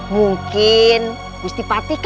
mungkin gusti patih kaget